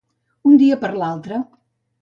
Un dia per altre.